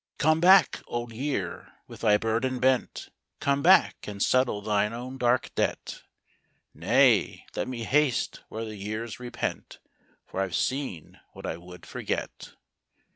" Come back, Old Year, with thy burden bent. Come back and settle thine own dark debt." " Nay, let me haste where the years repent, For I ve seen what I would forget."